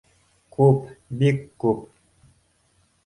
Күп, бик күп